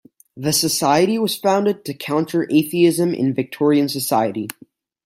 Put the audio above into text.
The society was founded to counter atheism in Victorian society.